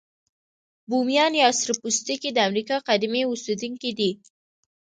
بومیان یا سره پوستکي د امریکا قديمي اوسیدونکي دي.